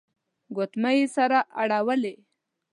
ګوتمۍ يې سره اړولې.